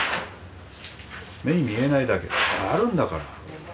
目に見えないだけであるんだから。